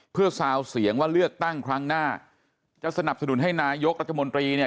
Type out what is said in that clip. เพื่อซาวเสียงว่าเลือกตั้งครั้งหน้าจะสนับสนุนให้นายกรัฐมนตรีเนี่ย